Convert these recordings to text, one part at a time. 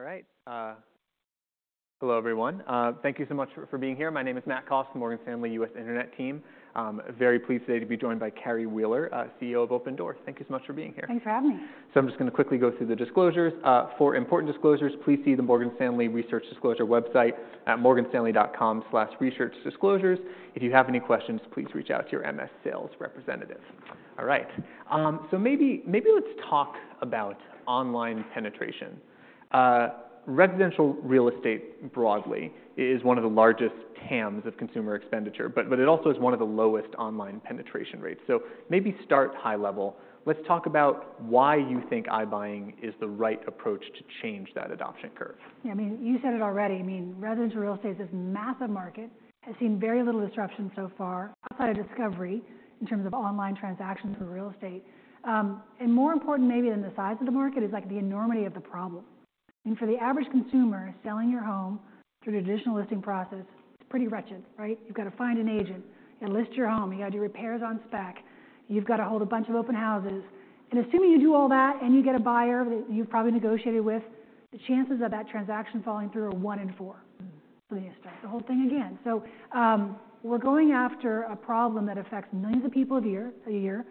All right, hello everyone. Thank you so much for being here. My name is Matthew Cost, the Morgan Stanley U.S. Internet team. Very pleased today to be joined by Carrie Wheeler, CEO of Opendoor. Thank you so much for being here. Thanks for having me. So I'm just gonna quickly go through the disclosures. For important disclosures, please see the Morgan Stanley Research Disclosure website at morganstanley.com/researchdisclosures. If you have any questions, please reach out to your MS Sales representative. All right. So maybe, maybe let's talk about online penetration. Residential real estate, broadly, is one of the largest TAMs of consumer expenditure, but, but it also is one of the lowest online penetration rates. So maybe start high level. Let's talk about why you think iBuying is the right approach to change that adoption curve. Yeah, I mean, you said it already. I mean, residential real estate's this massive market has seen very little disruption so far outside of discovery in terms of online transactions for real estate. And more important, maybe than the size of the market, is, like, the enormity of the problem. I mean, for the average consumer selling your home through the traditional listing process, it's pretty wretched, right? You've gotta find an agent, list your home, you gotta do repairs on spec, you've gotta hold a bunch of open houses. And assuming you do all that and you get a buyer that you've probably negotiated with, the chances of that transaction falling through are 1 in 4. So then you start the whole thing again. So, we're going after a problem that affects millions of people a year, a year,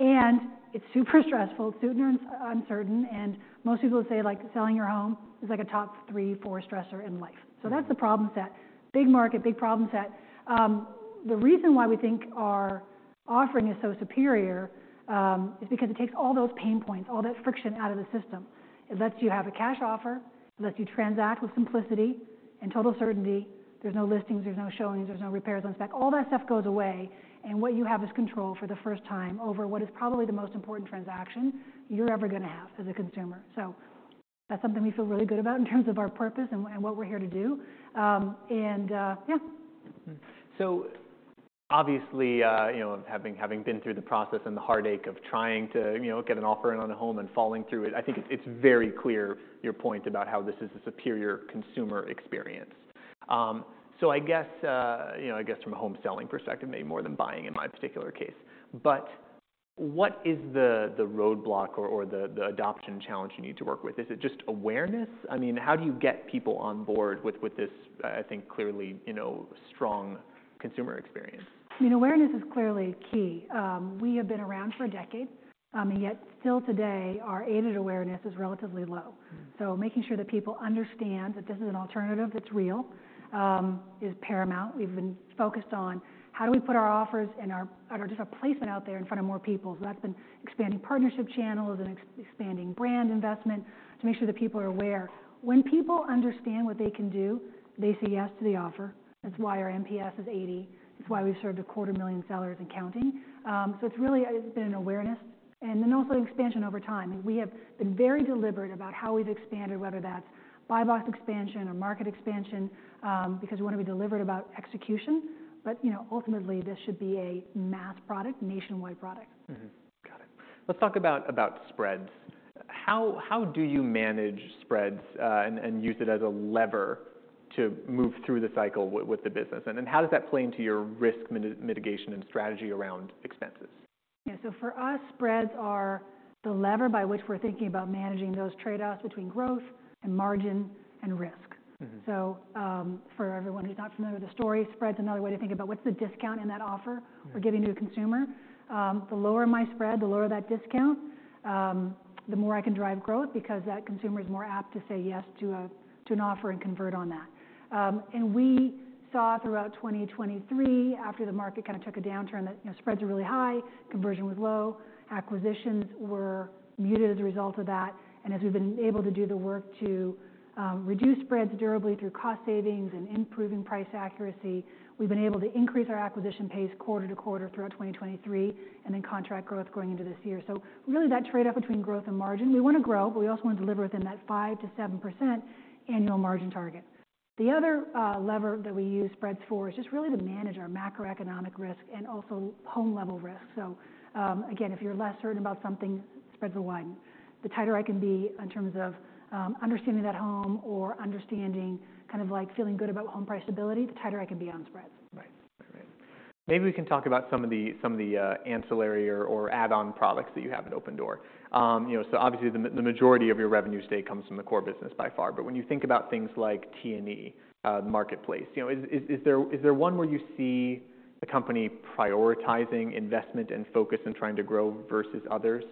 and it's super stressful. It's super uncertain. Most people would say, like, selling your home is, like, a top three, four stressor in life. So that's the problem set. Big market, big problem set. The reason why we think our offering is so superior is because it takes all those pain points, all that friction out of the system. It lets you have a cash offer, it lets you transact with simplicity and total certainty. There's no listings, there's no showings, there's no repairs on spec. All that stuff goes away, and what you have is control for the first time over what is probably the most important transaction you're ever gonna have as a consumer. So that's something we feel really good about in terms of our purpose and what we're here to do. Yeah. So obviously, you know, having been through the process and the heartache of trying to, you know, get an offer on a home and falling through it, I think it's very clear your point about how this is a superior consumer experience. So I guess, you know, I guess from a home selling perspective, maybe more than buying in my particular case. But what is the roadblock or the adoption challenge you need to work with? Is it just awareness? I mean, how do you get people on board with this, I think, clearly, you know, strong consumer experience? I mean, awareness is clearly key. We have been around for a decade, and yet still today our aided awareness is relatively low. So making sure that people understand that this is an alternative that's real, is paramount. We've been focused on how do we put our offers and our, our just our placement out there in front of more people. So that's been expanding partnership channels and expanding brand investment to make sure that people are aware. When people understand what they can do, they say yes to the offer. That's why our NPS is 80. That's why we've served 250,000 sellers and counting. So it's really it's been an awareness and then also an expansion over time. I mean, we have been very deliberate about how we've expanded, whether that's buy box expansion or market expansion, because we wanna be deliberate about execution. You know, ultimately, this should be a mass product, nationwide product. Mm-hmm. Got it. Let's talk about spreads. How do you manage spreads, and use it as a lever to move through the cycle with the business? And how does that play into your risk mitigation and strategy around expenses? Yeah. So for us, spreads are the lever by which we're thinking about managing those trade-offs between growth and margin and risk. Mm-hmm. So, for everyone who's not familiar with the story, Spread's another way to think about what's the discount in that offer we're giving to a consumer. The lower my Spread, the lower that discount, the more I can drive growth because that consumer's more apt to say yes to an offer and convert on that. And we saw throughout 2023, after the market kinda took a downturn, that, you know, Spreads were really high, conversion was low, acquisitions were muted as a result of that. And as we've been able to do the work to reduce Spreads durably through cost savings and improving price accuracy, we've been able to increase our acquisition pace quarter to quarter throughout 2023 and then contract growth going into this year. So really, that trade-off between growth and margin, we wanna grow, but we also wanna deliver within that 5%-7% annual margin target. The other lever that we use spreads for is just really to manage our macroeconomic risk and also home-level risk. So, again, if you're less certain about something, spreads will widen. The tighter I can be in terms of understanding that home or understanding kind of, like, feeling good about home price stability, the tighter I can be on spreads. Right. Maybe we can talk about some of the ancillary or add-on products that you have at Opendoor. You know, so obviously, the majority of your revenue today comes from the core business by far. But when you think about things like T&E, the marketplace, you know, is there one where you see the company prioritizing investment and focus and trying to grow versus others?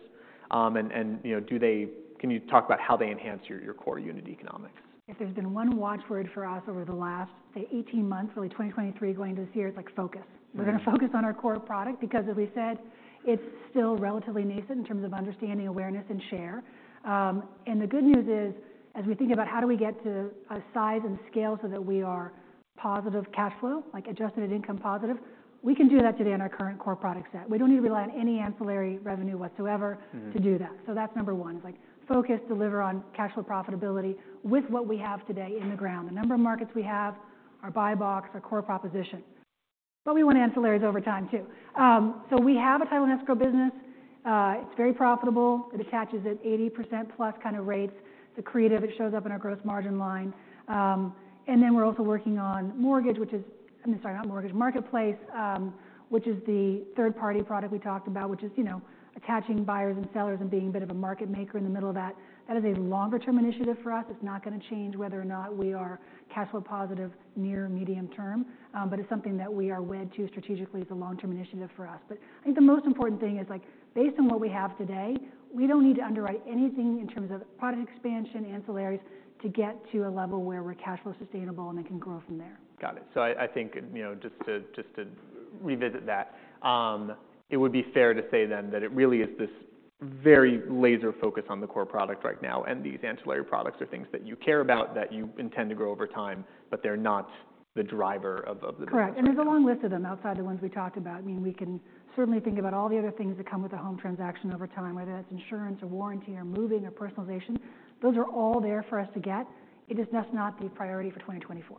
And, you know, do they—can you talk about how they enhance your core unit economics? If there's been one watchword for us over the last, say, 18 months, really 2023 going into this year, it's, like, focus. Mm-hmm. We're gonna focus on our core product because, as we said, it's still relatively nascent in terms of understanding, awareness, and share. The good news is, as we think about how do we get to a size and scale so that we are positive cash flow, like, adjusted EBITDA positive, we can do that today in our current core product set. We don't need to rely on any ancillary revenue whatsoever. Mm-hmm. To do that. So that's number one. It's, like, focus, deliver on cash flow profitability with what we have today in the ground, the number of markets we have, our buy box, our core proposition. But we want ancillaries over time too. So we have a title and escrow business. It's very profitable. It attaches at 80%+ kinda rates. It's accretive. It shows up in our gross margin line. And then we're also working on mortgage, which is I mean, sorry, not mortgage, marketplace, which is the third-party product we talked about, which is, you know, attaching buyers and sellers and being a bit of a market maker in the middle of that. That is a longer-term initiative for us. It's not gonna change whether or not we are cash flow positive near medium term. But it's something that we are wed to strategically as a long-term initiative for us. I think the most important thing is, like, based on what we have today, we don't need to underwrite anything in terms of product expansion, ancillaries to get to a level where we're cash flow sustainable and then can grow from there. Got it. So I think, you know, just to revisit that, it would be fair to say then that it really is this very laser focus on the core product right now. And these ancillary products are things that you care about, that you intend to grow over time, but they're not the driver of the business. Correct. There's a long list of them outside the ones we talked about. I mean, we can certainly think about all the other things that come with a home transaction over time, whether that's insurance or warranty or moving or personalization. Those are all there for us to get. It is just not the priority for 2024.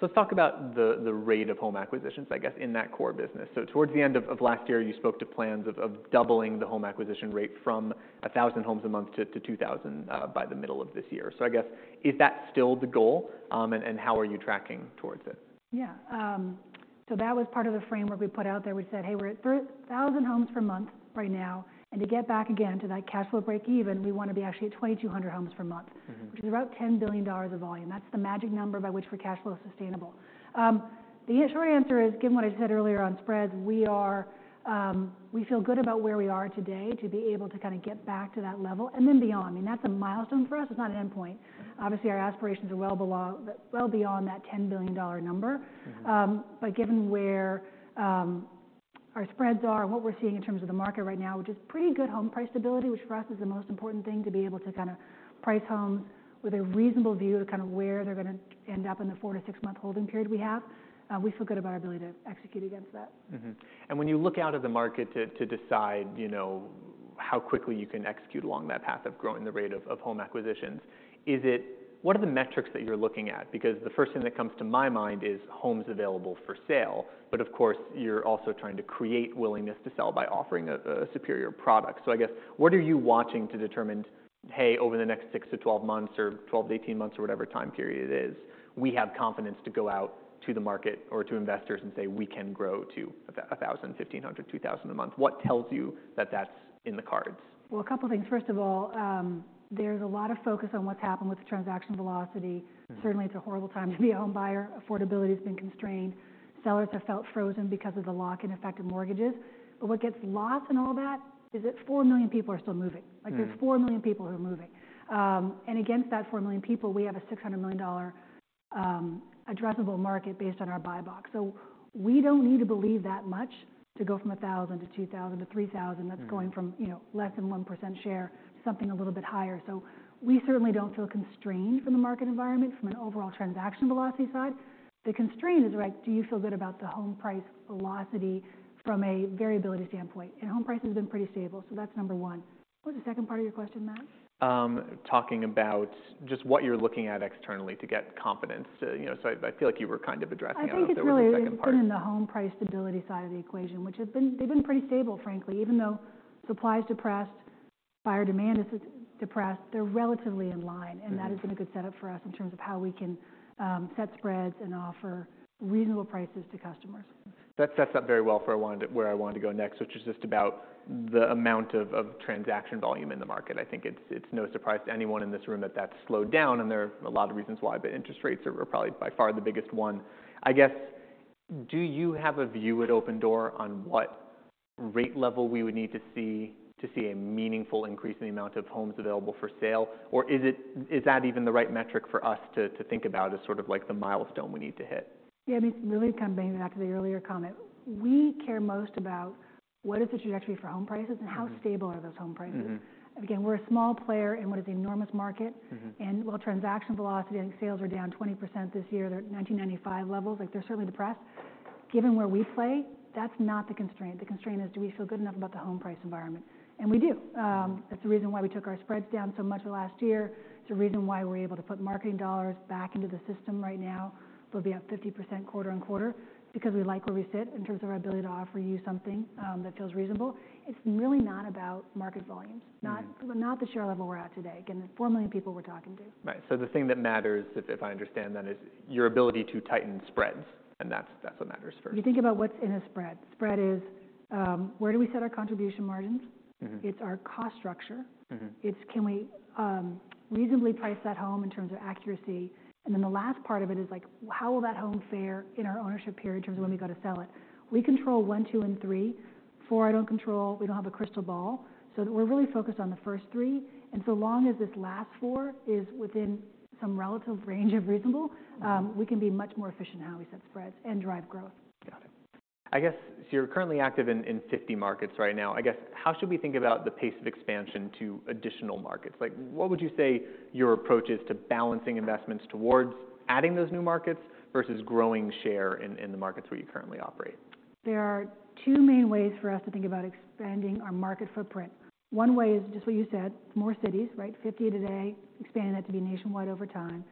Yeah. Yeah. So let's talk about the rate of home acquisitions, I guess, in that core business. So towards the end of last year, you spoke to plans of doubling the home acquisition rate from 1,000 homes a month to 2,000 by the middle of this year. So I guess, is that still the goal? And how are you tracking towards it? Yeah. So that was part of the framework we put out there. We said, "Hey, we're at 3,000 homes per month right now. And to get back again to that cash flow break-even, we wanna be actually at 2,200 homes per month. Mm-hmm. Which is about $10 billion of volume. That's the magic number by which we're cash flow sustainable. The short answer is, given what I said earlier on spreads, we feel good about where we are today to be able to kinda get back to that level and then beyond. I mean, that's a milestone for us. It's not an endpoint. Obviously, our aspirations are well beyond that $10 billion number. Mm-hmm. But given where our spreads are and what we're seeing in terms of the market right now, which is pretty good home price stability, which for us is the most important thing, to be able to kinda price homes with a reasonable view to kinda where they're gonna end up in the 4-6-month holding period we have, we feel good about our ability to execute against that. Mm-hmm. And when you look out of the market to decide, you know, how quickly you can execute along that path of growing the rate of home acquisitions, is it what are the metrics that you're looking at? Because the first thing that comes to my mind is homes available for sale. But of course, you're also trying to create willingness to sell by offering a superior product. So I guess, what are you watching to determine, "Hey, over the next 6-12 months or 12-18 months or whatever time period it is, we have confidence to go out to the market or to investors and say, 'We can grow to 1,000, 1,500, 2,000 a month'?" What tells you that that's in the cards? Well, a couple things. First of all, there's a lot of focus on what's happened with the transaction velocity. Mm-hmm. Certainly, it's a horrible time to be a home buyer. Affordability's been constrained. Sellers have felt frozen because of the lock-in effect of mortgages. But what gets lost in all that is that 4 million people are still moving. Mm-hmm. Like, there's 4 million people who are moving. And against that 4 million people, we have a $600 million addressable market based on our buy box. So we don't need to believe that much to go from 1,000 to 2,000 to 3,000. That's going from, you know, less than 1% share to something a little bit higher. So we certainly don't feel constrained from the market environment, from an overall transaction velocity side. The constraint is, like, do you feel good about the home price velocity from a variability standpoint? And home price has been pretty stable. So that's number one. What was the second part of your question, Matt? Talking about just what you're looking at externally to get confidence to, you know, so I, I feel like you were kind of addressing also the second part. I think it's really even in the home price stability side of the equation, which have been pretty stable, frankly, even though supply's depressed, buyer demand is depressed, they're relatively in line. Mm-hmm. That has been a good setup for us in terms of how we can set spreads and offer reasonable prices to customers. That sets up very well for where I wanted to go next, which is just about the amount of transaction volume in the market. I think it's no surprise to anyone in this room that that's slowed down, and there are a lot of reasons why. But interest rates are probably by far the biggest one. I guess, do you have a view at Opendoor on what rate level we would need to see to see a meaningful increase in the amount of homes available for sale? Or is that even the right metric for us to think about as sort of, like, the milestone we need to hit? Yeah. I mean, really kinda banging back to the earlier comment, we care most about what is the trajectory for home prices and how stable are those home prices. Mm-hmm. Again, we're a small player in what is an enormous market. Mm-hmm. And while transaction velocity and sales are down 20% this year, they're at 1995 levels. Like, they're certainly depressed. Given where we play, that's not the constraint. The constraint is, do we feel good enough about the home price environment? And we do. That's the reason why we took our spreads down so much last year. It's a reason why we're able to put marketing dollars back into the system right now, but be up 50% quarter-on-quarter, because we like where we sit in terms of our ability to offer you something that feels reasonable. It's really not about market volumes. Mm-hmm. Not, but not the share level we're at today. Again, the 4 million people we're talking to. Right. So the thing that matters, if I understand that, is your ability to tighten spreads. And that's what matters first. You think about what's in a spread. Spread is, where do we set our contribution margins? Mm-hmm. It's our cost structure. Mm-hmm. Can we reasonably price that home in terms of accuracy? And then the last part of it is, like, how will that home fare in our ownership period in terms of when we go to sell it? We control 1, 2, and 3. 4, I don't control. We don't have a crystal ball. So we're really focused on the first 3. And so long as this last 4 is within some relative range of reasonable, we can be much more efficient in how we set spreads and drive growth. Got it. I guess so you're currently active in 50 markets right now. I guess, how should we think about the pace of expansion to additional markets? Like, what would you say your approach is to balancing investments towards adding those new markets versus growing share in the markets where you currently operate? There are two main ways for us to think about expanding our market footprint. One way is just what you said. It's more cities, right? 50 today, expanding that to be nationwide over time.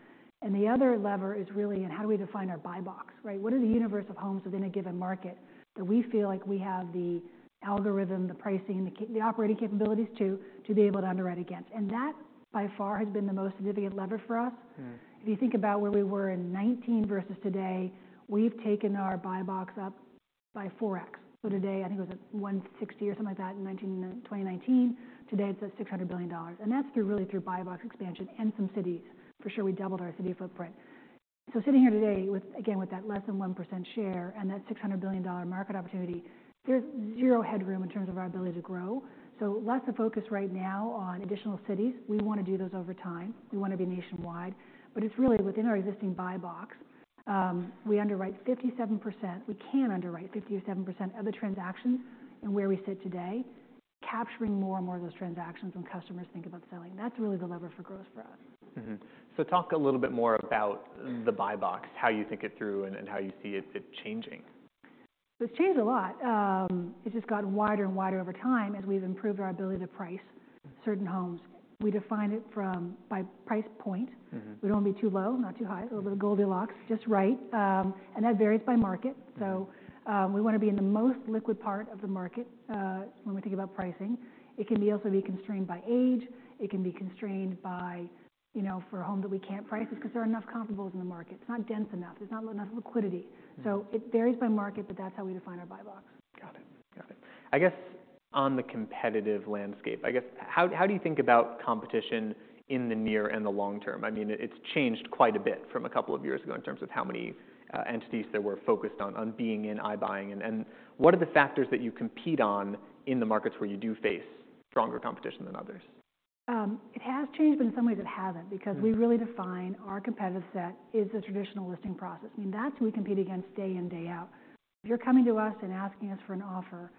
And the other lever is really, and how do we define our buy box, right? What is the universe of homes within a given market that we feel like we have the algorithm, the pricing, and the operating capabilities to be able to underwrite against? And that by far has been the most significant lever for us. Mm-hmm. If you think about where we were in 2019 versus today, we've taken our Buy box up by 4x. So today, I think it was at $160 billion or something like that in 2019. Today, it's at $600 billion. And that's through buy box expansion and some cities. For sure, we doubled our city footprint. So sitting here today with again, with that less than 1% share and that $600 billion market opportunity, there's zero headroom in terms of our ability to grow. So less of a focus right now on additional cities. We wanna do those over time. We wanna be nationwide. But it's really within our existing buy box, we underwrite 57% we can underwrite 50 or 7% of the transactions in where we sit today, capturing more and more of those transactions when customers think about selling. That's really the lever for growth for us. Mm-hmm. So talk a little bit more about the buy box, how you think it through and how you see it changing. It's changed a lot. It's just gotten wider and wider over time as we've improved our ability to price certain homes. We define it by price point. Mm-hmm. We don't wanna be too low, not too high, a little bit of Goldilocks, just right. That varies by market. So, we wanna be in the most liquid part of the market, when we think about pricing. It can also be constrained by age. It can be constrained by, you know, for a home that we can't price is 'cause there are enough comparables in the market. It's not dense enough. There's not enough liquidity. Mm-hmm. It varies by market, but that's how we define our Buy box. Got it. Got it. I guess on the competitive landscape, I guess, how do you think about competition in the near and the long term? I mean, it's changed quite a bit from a couple of years ago in terms of how many entities there were focused on being in iBuying. And what are the factors that you compete on in the markets where you do face stronger competition than others? It has changed, but in some ways, it hasn't because we really define our competitive set as the traditional listing process. I mean, that's who we compete against day in, day out. If you're coming to us and asking us for an offer,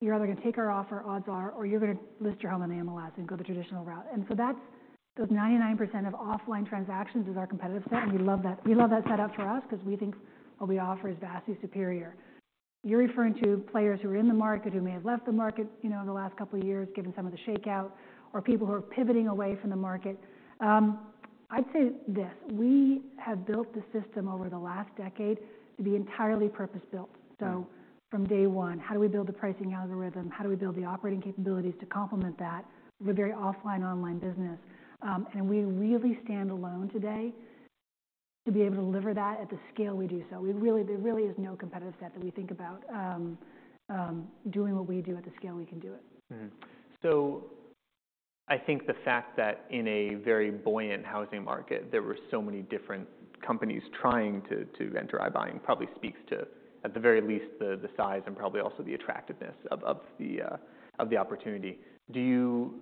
you're either gonna take our offer, odds are, or you're gonna list your home on the MLS and go the traditional route. And so that's those 99% of offline transactions is our competitive set. And we love that we love that setup for us 'cause we think what we offer is vastly superior. You're referring to players who are in the market who may have left the market, you know, in the last couple of years, given some of the shakeout, or people who are pivoting away from the market. I'd say this. We have built the system over the last decade to be entirely purpose-built. Mm-hmm. So from day one, how do we build the pricing algorithm? How do we build the operating capabilities to complement that? We're a very offline-online business. And we really stand alone today to be able to deliver that at the scale we do so. We really there really is no competitive set that we think about, doing what we do at the scale we can do it. Mm-hmm. So I think the fact that in a very buoyant housing market, there were so many different companies trying to enter iBuying probably speaks to, at the very least, the size and probably also the attractiveness of the opportunity. Do you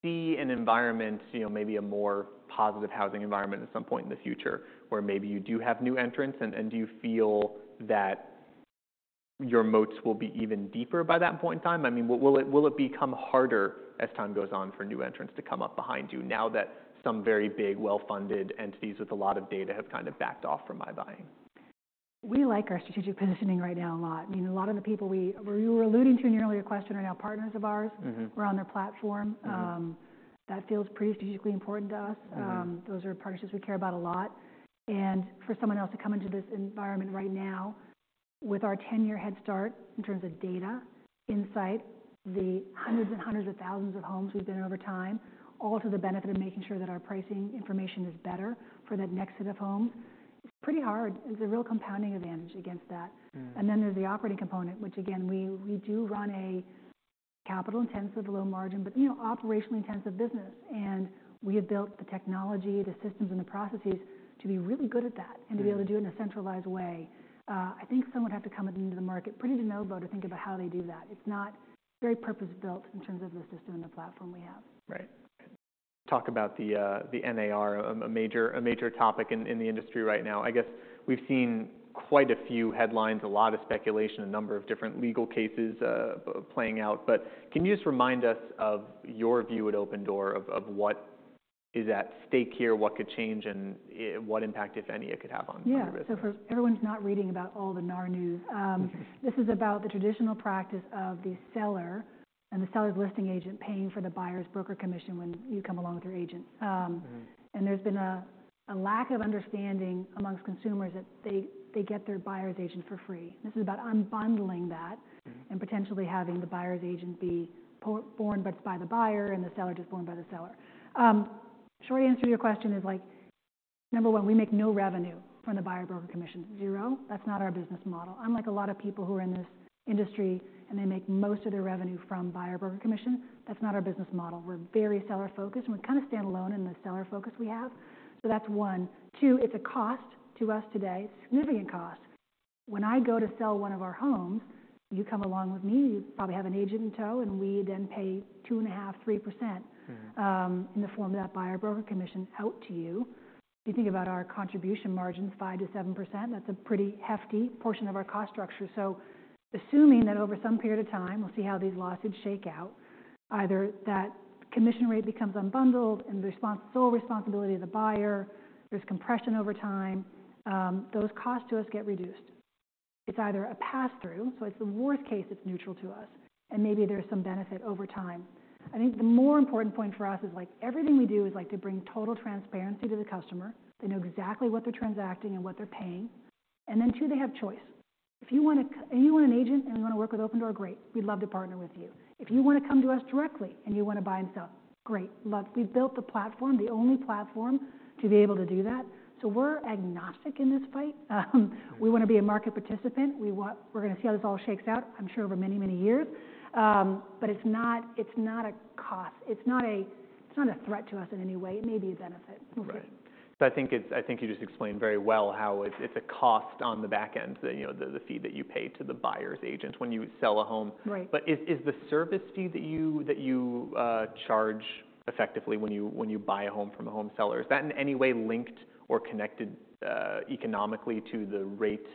see an environment, you know, maybe a more positive housing environment at some point in the future where maybe you do have new entrants? And do you feel that your moats will be even deeper by that point in time? I mean, will it become harder as time goes on for new entrants to come up behind you now that some very big, well-funded entities with a lot of data have kinda backed off from iBuying? We like our strategic positioning right now a lot. I mean, a lot of the people you were alluding to in your earlier question right now, partners of ours. Mm-hmm. We're on their platform. That feels pretty strategically important to us. Mm-hmm. Those are partnerships we care about a lot. For someone else to come into this environment right now with our 10-year head start in terms of data, insight, the hundreds and hundreds of thousands of homes we've been in over time, all to the benefit of making sure that our pricing information is better for that next set of homes, it's pretty hard. It's a real compounding advantage against that. Mm-hmm. Then there's the operating component, which, again, we do run a capital-intensive, low-margin, but, you know, operationally intensive business. We have built the technology, the systems, and the processes to be really good at that. Mm-hmm. To be able to do it in a centralized way. I think someone would have to come into the market pretty de novo to think about how they do that. It's not very purpose-built in terms of the system and the platform we have. Right. Right. Talk about the NAR, a major topic in the industry right now. I guess we've seen quite a few headlines, a lot of speculation, a number of different legal cases, playing out. But can you just remind us of your view at Opendoor of what is at stake here, what could change, and what impact, if any, it could have on your business? Yeah. So for everyone who's not reading about all the NAR news, Mm-hmm. This is about the traditional practice of the seller and the seller's listing agent paying for the buyer's broker commission when you come along with your agent. Mm-hmm. And there's been a lack of understanding among consumers that they get their buyer's agent for free. This is about unbundling that. Mm-hmm. Potentially having the buyer's agent be paid for by the buyer, and the seller just borne by the seller. Short answer to your question is, like, number one, we make no revenue from the buyer broker commission. Zero. That's not our business model. Unlike a lot of people who are in this industry, and they make most of their revenue from buyer broker commission, that's not our business model. We're very seller-focused, and we kinda stand alone in the seller focus we have. So that's one. Two, it's a cost to us today. It's a significant cost. When I go to sell one of our homes, you come along with me. You probably have an agent in tow, and we then pay 2.5%-3%. Mm-hmm. in the form of that buyer broker commission out to you. If you think about our contribution margins, 5%-7%, that's a pretty hefty portion of our cost structure. So assuming that over some period of time (we'll see how these lawsuits shake out), either that commission rate becomes unbundled, and the responsibility, sole responsibility, of the buyer, there's compression over time, those costs to us get reduced. It's either a pass-through. So it's the worst case, it's neutral to us. And maybe there's some benefit over time. I think the more important point for us is, like, everything we do is, like, to bring total transparency to the customer. They know exactly what they're transacting and what they're paying. And then two, they have choice. If you wanna and you want an agent, and you wanna work with Opendoor, great. We'd love to partner with you. If you wanna come to us directly, and you wanna buy and sell, great. Love we've built the platform, the only platform, to be able to do that. So we're agnostic in this fight. We wanna be a market participant. We want, we're gonna see how this all shakes out, I'm sure, over many, many years. It's not, it's not a cost. It's not a, it's not a threat to us in any way. It may be a benefit. We'll see. Right. So I think you just explained very well how it's a cost on the back end, you know, the fee that you pay to the buyer's agent when you sell a home. Right. But is the service fee that you charge effectively when you buy a home from a home seller, is that in any way linked or connected, economically to the rate that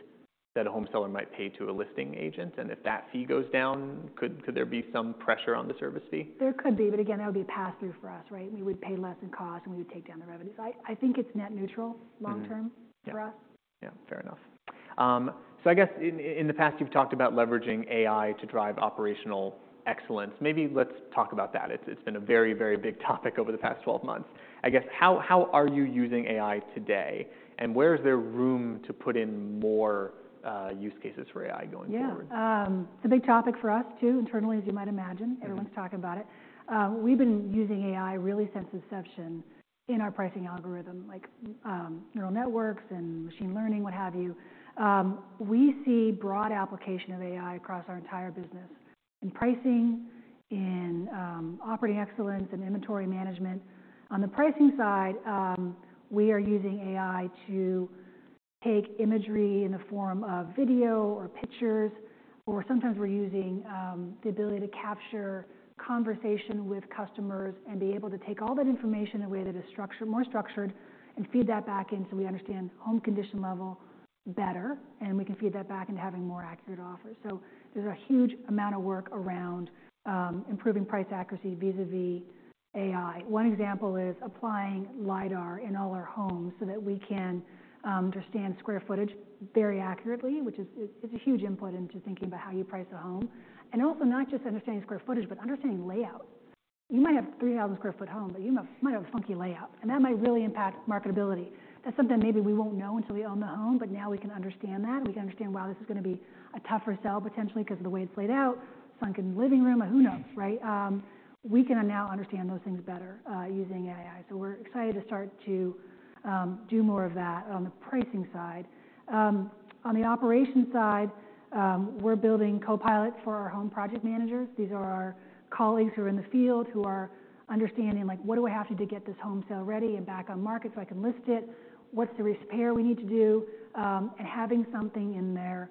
a home seller might pay to a listing agent? And if that fee goes down, could there be some pressure on the service fee? There could be. But again, that would be a pass-through for us, right? We would pay less in cost, and we would take down the revenues. I think it's net neutral long term. Mm-hmm. For us. Yeah. Yeah. Fair enough. So I guess in the past, you've talked about leveraging AI to drive operational excellence. Maybe let's talk about that. It's been a very, very big topic over the past 12 months. I guess how are you using AI today? And where is there room to put in more use cases for AI going forward? Yeah. It's a big topic for us too, internally, as you might imagine. Mm-hmm. Everyone's talking about it. We've been using AI really since inception in our pricing algorithm, like, neural networks and machine learning, what have you. We see broad application of AI across our entire business in pricing, operating excellence, and inventory management. On the pricing side, we are using AI to take imagery in the form of video or pictures, or sometimes we're using the ability to capture conversation with customers and be able to take all that information in a way that is more structured and feed that back in so we understand home condition level better, and we can feed that back into having more accurate offers. So there's a huge amount of work around improving price accuracy vis-à-vis AI. One example is applying LiDAR in all our homes so that we can understand square footage very accurately, which is it's a huge input into thinking about how you price a home. And also not just understanding square footage, but understanding layout. You might have a 3,000-square-foot home, but you might have a funky layout. And that might really impact marketability. That's something that maybe we won't know until we own the home, but now we can understand that. We can understand, wow, this is gonna be a tougher sell potentially 'cause of the way it's laid out. Sunken living room, who knows, right? We can now understand those things better, using AI. So we're excited to start to do more of that on the pricing side. On the operation side, we're building Copilot for our home project managers. These are our colleagues who are in the field who are understanding, like, what do I have to do to get this home sale ready and back on market so I can list it? What's the repair we need to do? And having something in their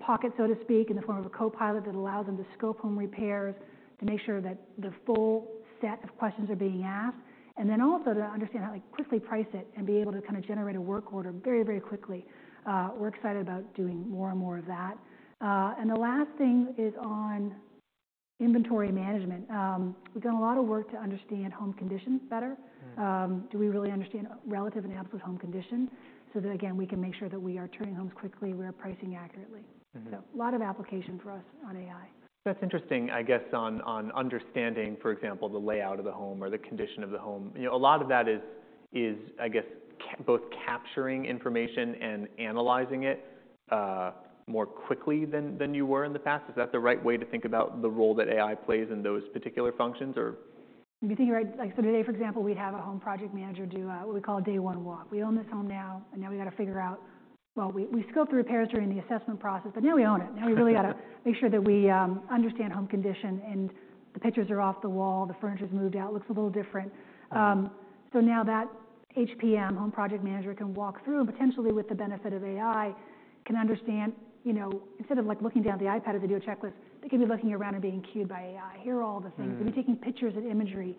pocket, so to speak, in the form of a Copilot that allows them to scope home repairs to make sure that the full set of questions are being asked, and then also to understand how, like, quickly price it and be able to kinda generate a work order very, very quickly. We're excited about doing more and more of that. And the last thing is on inventory management. We've done a lot of work to understand home conditions better. Mm-hmm. Do we really understand relative and absolute home condition so that, again, we can make sure that we are turning homes quickly. We are pricing accurately. Mm-hmm. A lot of application for us on AI. That's interesting, I guess, on understanding, for example, the layout of the home or the condition of the home. You know, a lot of that is, I guess, capturing both information and analyzing it, more quickly than you were in the past. Is that the right way to think about the role that AI plays in those particular functions, or? I mean, you're thinking right. Like, so today, for example, we'd have a Home Project Manager do what we call a day-one walk. We own this home now, and now we gotta figure out well, we scope the repairs during the assessment process, but now we own it. Now we really gotta. Mm-hmm. Make sure that we understand home condition, and the pictures are off the wall. The furniture's moved out. Looks a little different. So now that HPM, Home Project Manager, can walk through and potentially, with the benefit of AI, can understand, you know, instead of, like, looking down at the iPad as they do a checklist, they can be looking around and being cued by AI. Here are all the things. Mm-hmm. They'll be taking pictures and imagery.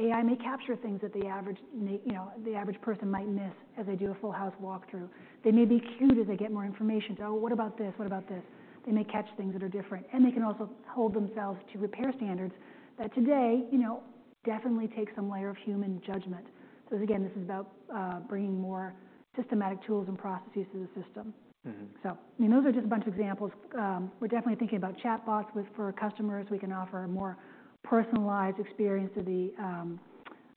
AI may capture things that the average you know, the average person might miss as they do a full-house walkthrough. They may be cued as they get more information to, "Oh, what about this? What about this?" They may catch things that are different. And they can also hold themselves to repair standards that today, you know, definitely take some layer of human judgment. So again, this is about bringing more systematic tools and processes to the system. Mm-hmm. So, I mean, those are just a bunch of examples. We're definitely thinking about chatbots with for customers. We can offer a more personalized experience to the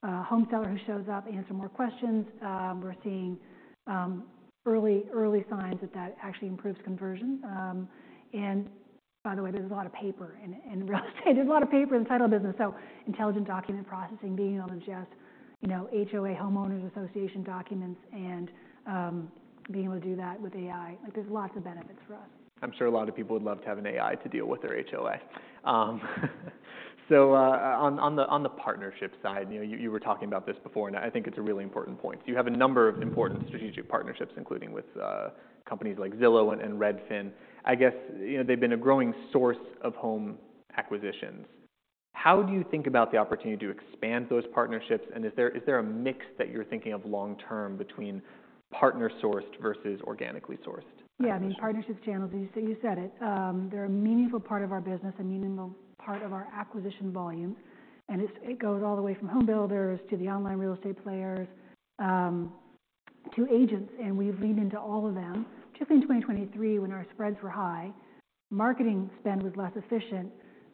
home seller who shows up, answer more questions. We're seeing early, early signs that that actually improves conversion. And by the way, there's a lot of paper in real estate. There's a lot of paper in the title business. So intelligent document processing, being able to just, you know, HOA, homeowners association documents, and being able to do that with AI, like, there's lots of benefits for us. I'm sure a lot of people would love to have an AI to deal with their HOA. So, on the partnership side, you know, you were talking about this before, and I think it's a really important point. So you have a number of important strategic partnerships, including with companies like Zillow and Redfin. I guess, you know, they've been a growing source of home acquisitions. How do you think about the opportunity to expand those partnerships? And is there a mix that you're thinking of long term between partner-sourced versus organically sourced? Yeah. I mean, partnership channels, as you said it, they're a meaningful part of our business, a meaningful part of our acquisition volume. And it goes all the way from home builders to the online real estate players, to agents. And we've leaned into all of them. Just in 2023, when our spreads were high, marketing spend was less efficient.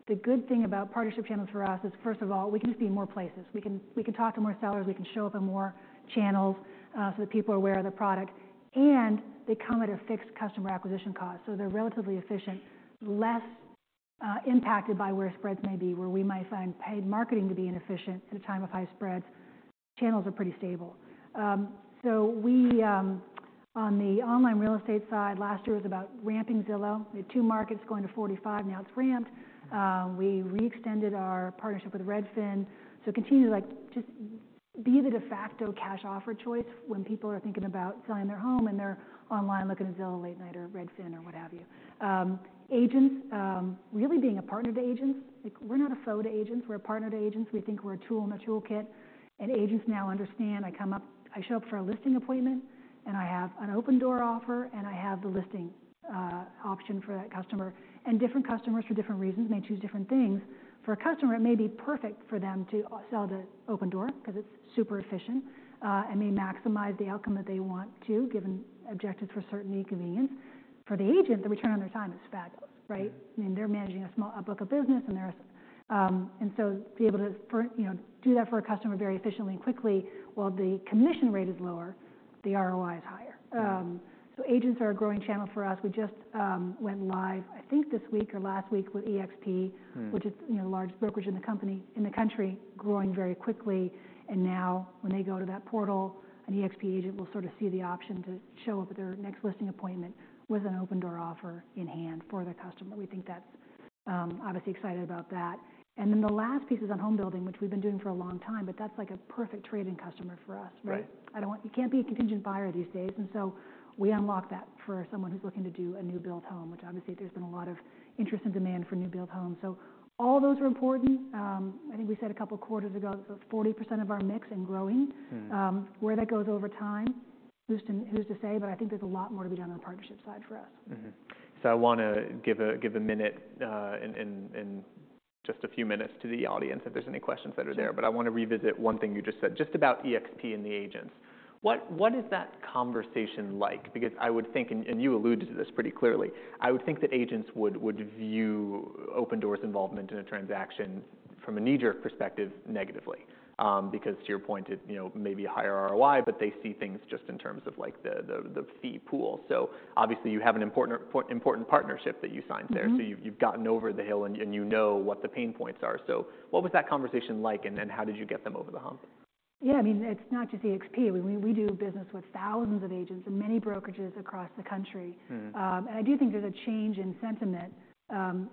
The good thing about partnership channels for us is, first of all, we can just be in more places. We can talk to more sellers. We can show up in more channels, so that people are aware of the product. And they come at a fixed customer acquisition cost. So they're relatively efficient, less impacted by where spreads may be, where we might find paid marketing to be inefficient at a time of high spreads. Channels are pretty stable. So we, on the online real estate side, last year was about ramping Zillow. We had 2 markets going to 45. Now it's ramped. We re-extended our partnership with Redfin so it continues to, like, just be the de facto cash offer choice when people are thinking about selling their home and they're online looking at Zillow, late at night, or Redfin, or what have you. Agents, really being a partner to agents. Like, we're not a foe to agents. We're a partner to agents. We think we're a tool in their toolkit. And agents now understand, "I show up for a listing appointment, and I have an Opendoor offer, and I have the listing option for that customer." And different customers, for different reasons, may choose different things. For a customer, it may be perfect for them to sell to Opendoor 'cause it's super efficient, and may maximize the outcome that they want to given objectives for certain inconvenience. For the agent, the return on their time is fabulous, right? I mean, they're managing a small book of business, and they're assisting and so to be able, for you know, do that for a customer very efficiently and quickly while the commission rate is lower, the ROI is higher. So agents are a growing channel for us. We just went live, I think, this week or last week with eXp. Mm-hmm. Which is, you know, the largest brokerage in the company in the country, growing very quickly. And now when they go to that portal, an eXp agent will sort of see the option to show up at their next listing appointment with an Opendoor offer in hand for their customer. We think that's, obviously excited about that. And then the last piece is on home building, which we've been doing for a long time, but that's, like, a perfect trading customer for us, right? Right. I don't want you to be a contingent buyer these days. And so we unlock that for someone who's looking to do a new-built home, which obviously, there's been a lot of interest and demand for new-built homes. So all those are important. I think we said a couple quarters ago, so 40% of our mix and growing. Mm-hmm. Where that goes over time, who's to who's to say, but I think there's a lot more to be done on the partnership side for us. Mm-hmm. So I wanna give a minute, in just a few minutes to the audience if there's any questions that are there. Sure. But I wanna revisit one thing you just said just about eXp and the agents. What is that conversation like? Because I would think and you alluded to this pretty clearly. I would think that agents would view Opendoor's involvement in a transaction from a knee-jerk perspective negatively, because to your point, it, you know, may be a higher ROI, but they see things just in terms of, like, the fee pool. So obviously, you have an important or so important partnership that you signed there. Mm-hmm. So you've gotten over the hill, and you know what the pain points are. So what was that conversation like, and how did you get them over the hump? Yeah. I mean, it's not just EXP. I mean, we do business with thousands of agents and many brokerages across the country. Mm-hmm. I do think there's a change in sentiment.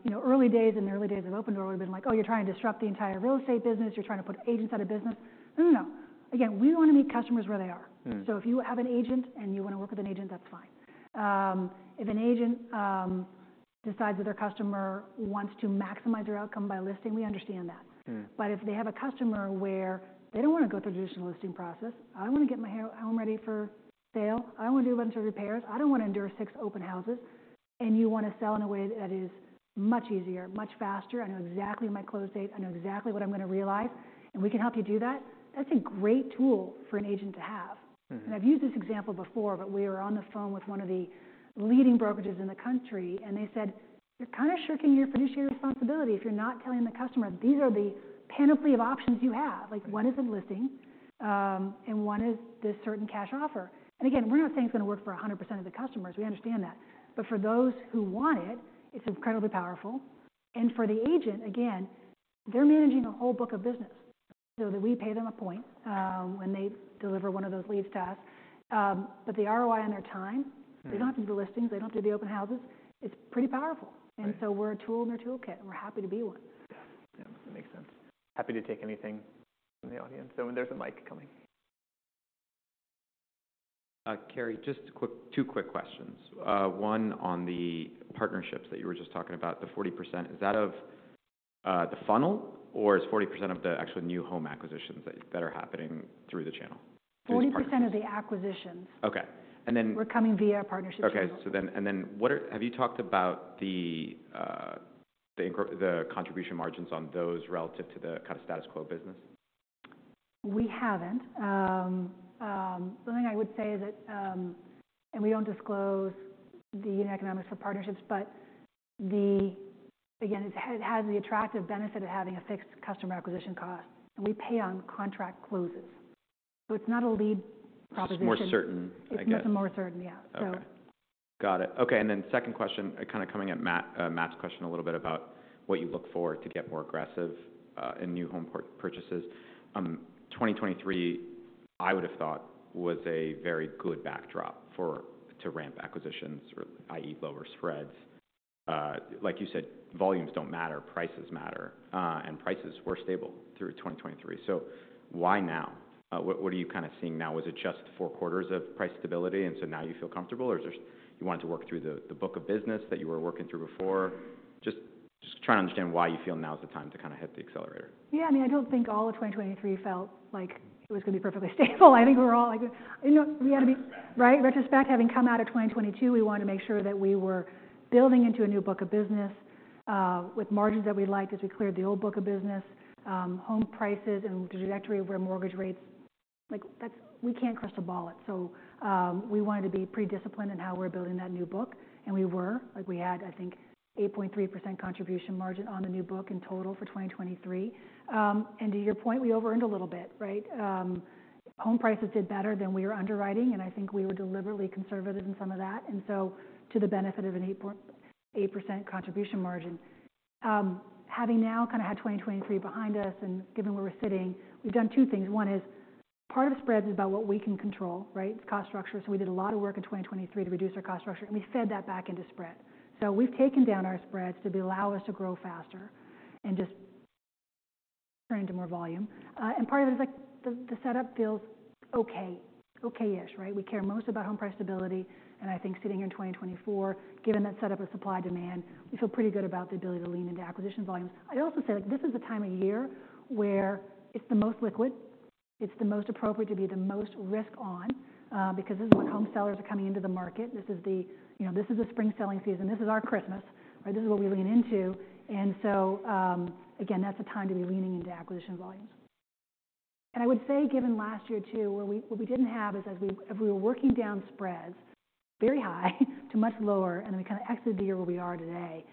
You know, early days in the early days of Opendoor would have been like, "Oh, you're trying to disrupt the entire real estate business. You're trying to put agents out of business." No, no, no. Again, we wanna meet customers where they are. Mm-hmm. So if you have an agent and you wanna work with an agent, that's fine. If an agent decides that their customer wants to maximize their outcome by listing, we understand that. Mm-hmm. But if they have a customer where they don't wanna go through the traditional listing process, "I wanna get my home ready for sale. I wanna do a bunch of repairs. I don't wanna endure six open houses, and you wanna sell in a way that is much easier, much faster. I know exactly my close date. I know exactly what I'm gonna realize. And we can help you do that," that's a great tool for an agent to have. Mm-hmm. I've used this example before, but we were on the phone with one of the leading brokerages in the country, and they said, "You're kinda shirking your fiduciary responsibility if you're not telling the customer these are the panoply of options you have. Like, one is a listing, and one is this certain cash offer." And again, we're not saying it's gonna work for 100% of the customers. We understand that. But for those who want it, it's incredibly powerful. And for the agent, again, they're managing a whole book of business. So that we pay them a point when they deliver one of those leads to us, but the ROI on their time. Mm-hmm. They don't have to do the listings. They don't have to do the open houses. It's pretty powerful. Mm-hmm. We're a tool in their toolkit, and we're happy to be one. Yeah. Yeah. That makes sense. Happy to take anything from the audience. Oh, and there's a mic coming. Carrie, just a quick two quick questions. One on the partnerships that you were just talking about, the 40%, is that of the funnel, or is 40% of the actual new home acquisitions that are happening through the channel? 40% of the acquisitions. Okay. And then. We're coming via partnership channels. Okay. So then, what have you talked about, the contribution margins on those relative to the kinda status quo business? We haven't. The thing I would say is that, and we don't disclose the unit economics for partnerships, but, again, it has the attractive benefit of having a fixed customer acquisition cost. And we pay on contract closes. So it's not a lead proposition. It's more certain, I guess. It's just a more certain, yeah. So. Okay. Got it. Okay. And then second question, kinda coming at Matt's question a little bit about what you look for to get more aggressive in new home purchases. 2023, I would have thought, was a very good backdrop for to ramp acquisitions or i.e., lower spreads. Like you said, volumes don't matter. Prices matter. And prices were stable through 2023. So why now? What, what are you kinda seeing now? Was it just four quarters of price stability, and so now you feel comfortable, or is there something you wanted to work through the book of business that you were working through before? Just trying to understand why you feel now's the time to kinda hit the accelerator. Yeah. I mean, I don't think all of 2023 felt like it was gonna be perfectly stable. I think we were all, like you know, we had to be right? In retrospect, having come out of 2022, we wanted to make sure that we were building into a new book of business, with margins that we liked as we cleared the old book of business, home prices, and the trajectory of where mortgage rates like, that's, we can't crystal ball it. So, we wanted to be pretty disciplined in how we're building that new book. And we were. Like, we had, I think, 8.3% contribution margin on the new book in total for 2023. And to your point, we over-earned a little bit, right? Home prices did better than we were underwriting, and I think we were deliberately conservative in some of that. And so to the benefit of an 8.8% contribution margin, having now kinda had 2023 behind us and given where we're sitting, we've done two things. One is part of spreads is about what we can control, right? It's cost structure. So we did a lot of work in 2023 to reduce our cost structure, and we fed that back into spread. So we've taken down our spreads to allow us to grow faster and just turn into more volume. And part of it is, like, the, the setup feels okay, okay-ish, right? We care most about home price stability. And I think sitting here in 2024, given that setup of supply-demand, we feel pretty good about the ability to lean into acquisition volumes. I'd also say, like, this is the time of year where it's the most liquid. It's the most appropriate to be the most risk-on, because this is when home sellers are coming into the market. This is the you know, this is the spring selling season. This is our Christmas, right? This is what we lean into. And so, again, that's a time to be leaning into acquisition volumes. And I would say, given last year too, where what we didn't have is, as we were working down spreads very high to much lower, and then we kinda exited the year where we are today,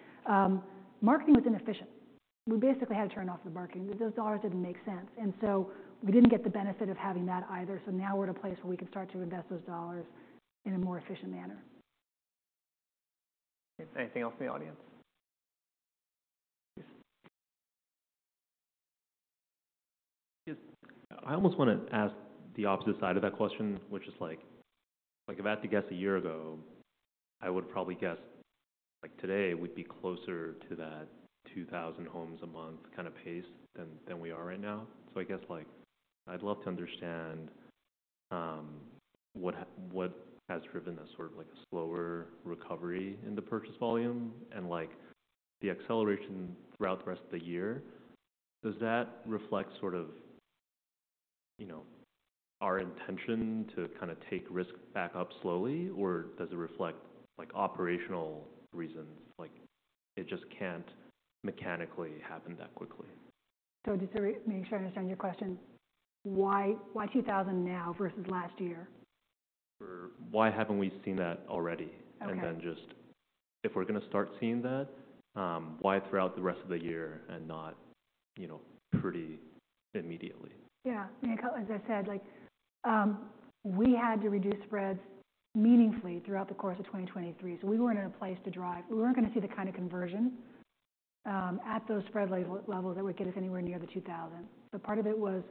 marketing was inefficient. We basically had to turn off the marketing. Those dollars didn't make sense. And so we didn't get the benefit of having that either. So now we're at a place where we can start to invest those dollars in a more efficient manner. Anything else in the audience? Yes. Just I almost wanna ask the opposite side of that question, which is, like, if I had to guess a year ago, I would probably guess, like, today, we'd be closer to that 2,000 homes a month kinda pace than we are right now. So I guess, like, I'd love to understand, what has driven this sort of, like, a slower recovery in the purchase volume and, like, the acceleration throughout the rest of the year. Does that reflect sort of, you know, our intention to kinda take risk back up slowly, or does it reflect, like, operational reasons, like, it just can't mechanically happen that quickly? Just to make sure I understand your question, why, why 2,000 now versus last year? For why haven't we seen that already? Okay. And then just if we're gonna start seeing that, why throughout the rest of the year and not, you know, pretty immediately? Yeah. I mean, as I said, like, we had to reduce spreads meaningfully throughout the course of 2023. So we weren't in a place to drive; we weren't gonna see the kinda conversion at those spread levels that we'd get if anywhere near the 2,000. So part of it was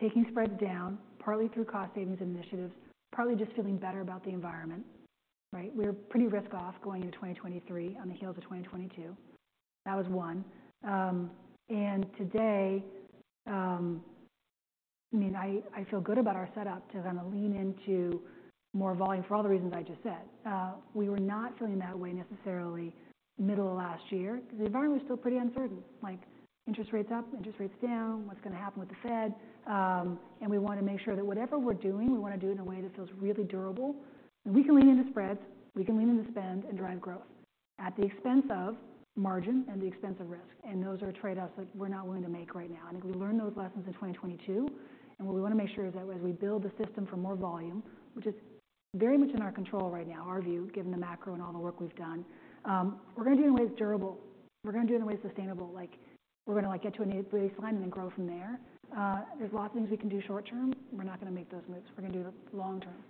taking spreads down, partly through cost-savings initiatives, partly just feeling better about the environment, right? We were pretty risk-off going into 2023 on the heels of 2022. That was one. Today, I mean, I feel good about our setup to kinda lean into more volume for all the reasons I just said. We were not feeling that way necessarily middle of last year 'cause the environment was still pretty uncertain. Like, interest rates up, interest rates down, what's gonna happen with the Fed? We wanna make sure that whatever we're doing, we wanna do it in a way that feels really durable. We can lean into spreads. We can lean into spend and drive growth at the expense of margin and the expense of risk. Those are trade-offs that we're not willing to make right now. I think we learned those lessons in 2022. What we wanna make sure is that as we build the system for more volume, which is very much in our control right now, our view, given the macro and all the work we've done, we're gonna do it in a way that's durable. We're gonna do it in a way that's sustainable. Like, we're gonna, like, get to a new baseline and then grow from there. There's lots of things we can do short term. We're not gonna make those moves. We're gonna do the long term.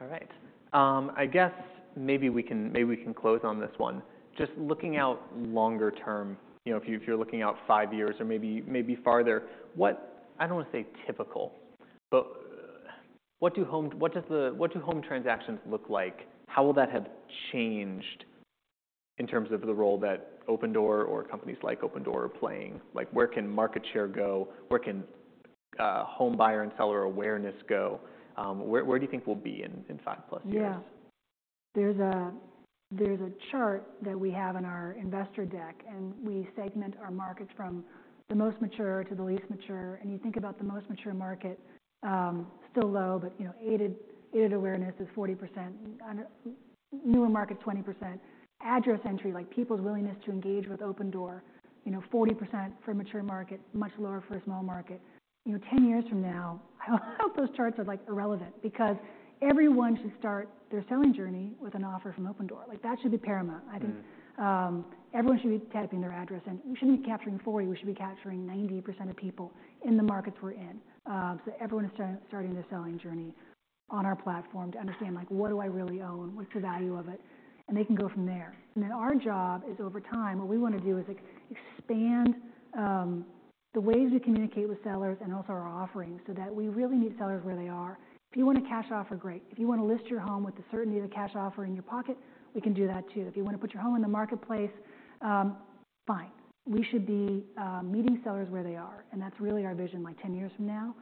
All right. I guess maybe we can close on this one. Just looking out longer term, you know, if you're looking out five years or maybe farther, what I don't wanna say typical, but what do home transactions look like? How will that have changed in terms of the role that Opendoor or companies like Opendoor are playing? Like, where can market share go? Where can home buyer and seller awareness go? Where do you think we'll be in five-plus years? Yeah. There's a chart that we have in our investor deck, and we segment our markets from the most mature to the least mature. And you think about the most mature market, still low, but, you know, aided awareness is 40%, under newer markets, 20%. Address entry, like people's willingness to engage with Opendoor, you know, 40% for a mature market, much lower for a small market. You know, 10 years from now, I don't think those charts are, like, irrelevant because everyone should start their selling journey with an offer from Opendoor. Like, that should be paramount. I think. Mm-hmm. Everyone should be tapping their address, and we shouldn't be capturing 40%. We should be capturing 90% of people in the markets we're in. So everyone is starting their selling journey on our platform to understand, like, what do I really own? What's the value of it? And they can go from there. And then our job is, over time, what we wanna do is expand the ways we communicate with sellers and also our offerings so that we really meet sellers where they are. If you wanna cash offer, great. If you wanna list your home with the certainty of the cash offer in your pocket, we can do that too. If you wanna put your home in the marketplace, fine. We should be meeting sellers where they are. And that's really our vision, like, 10 years from now.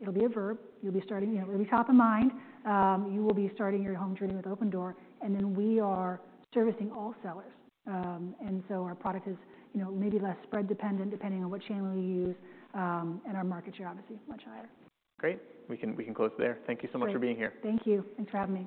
It'll be a verb. You'll be starting, you know, it'll be top of mind. You will be starting your home journey with Opendoor, and then we are servicing all sellers. And so our product is, you know, maybe less spread-dependent depending on what channel you use, and our market share, obviously, much higher. Great. We can close there. Thank you so much for being here. Great. Thank you. Thanks for having me.